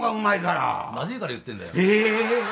まずいから言ってんだよ。